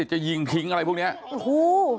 จะยิงทิ้งอะไรพวกเนี้ยโอ้โห